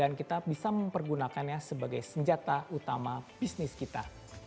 dan kita bisa mempergunakannya sebagai senjata utama bisnis kita